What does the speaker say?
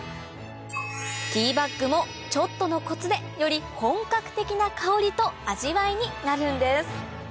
ティーバッグもちょっとのコツでより本格的な香りと味わいになるんです